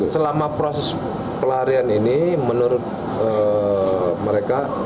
selama proses pelarian ini menurut mereka